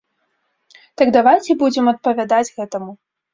Так давайце будзем адпавядаць гэтаму.